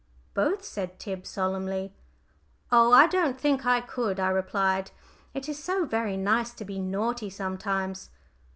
"Both," said Tib, solemnly. "Oh, I don't think I could," I replied. "It is so very nice to be naughty sometimes."